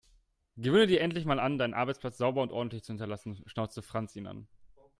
"Gewöhne dir endlich mal an, deinen Arbeitsplatz sauber und ordentlich zu hinterlassen", schnauzte Franz ihn an.